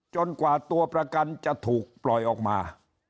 กว่าตัวประกันจะถูกปล่อยออกมา